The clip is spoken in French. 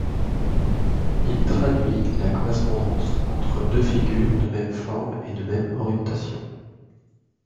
Il traduit la correspondance entre deux figures de même forme et de même orientation.